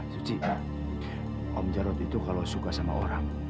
suci kak om jarod itu kalau suka sama orang